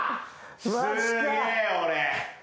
すげえ俺。